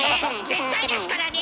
絶対ですからね！